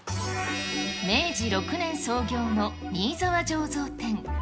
明治６年創業の新澤醸造店。